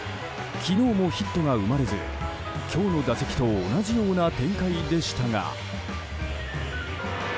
昨日もヒットが生まれず今日の打席と同じような展開でしたが。